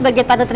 percaya sama gue